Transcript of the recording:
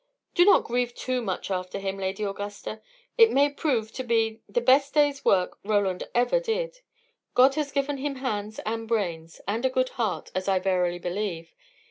"Do not grieve too much after him, Lady Augusta. It may prove to be the best day's work Roland ever did. God has given him hands, and brains; and a good heart, as I verily believe.